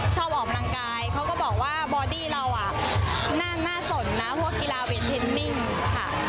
ชอบออกกำลังกายเขาก็บอกว่าบอดี้เราน่าสนนะเพราะว่ากีฬาเปลี่ยนเทนนิ่งค่ะ